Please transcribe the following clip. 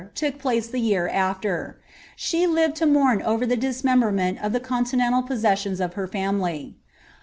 tool place the year after: she lived to mourn over the dismemberment oflhi conliiicnlal possessions of her family.